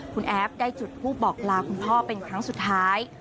คุณแอฟได้จุดทูปบอกลาคุณพ่อเป็นครั้งสุดท้าย